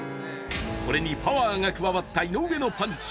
これにパワーが加わった井上のパンチ。